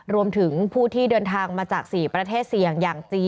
รวมถึงผู้ที่เดินทางมาจาก๔ประเทศเสี่ยง